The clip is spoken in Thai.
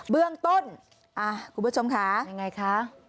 เบื้องต้นคุณผู้ชมค่ะยังไงคะ